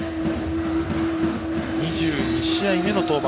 ２２試合目の登板。